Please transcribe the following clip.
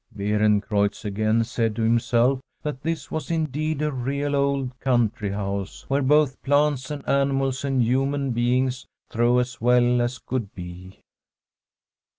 Beerencreutz again said to himself that this was indeed a real old country house, where both plants and animals and human beings throve as well as could be.